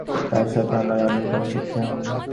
তার সাথে আমার এমন কোন চুক্তি হয়নি।